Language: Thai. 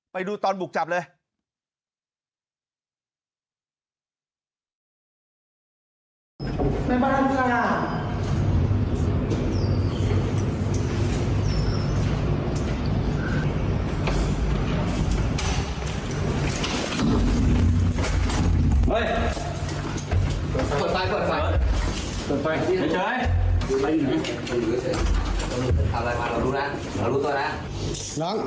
ไปดูตอนบุกจับเลย